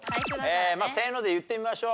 「せーの！」で言ってみましょう。